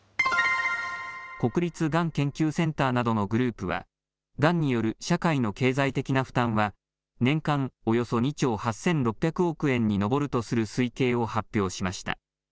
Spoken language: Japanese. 国立がん研究センターなどのグループは、がんによる社会の経済的な負担は年間およそ２兆８６００億円に上るとする推計を発表しました。